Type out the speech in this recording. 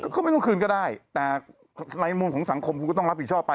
ก็ไม่ต้องคืนก็ได้แต่ในมุมของสังคมคุณก็ต้องรับผิดชอบไป